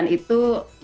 dan kegiatan itu ya